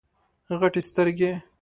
غټي سترګي